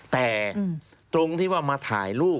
แต่ตรงที่ว่ามาถ่ายรูป